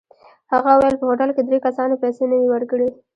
هغه وویل په هوټل کې درې کسانو پیسې نه وې ورکړې.